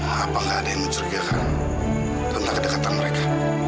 apakah ada yang mencerigakan tentang kedekatan mereka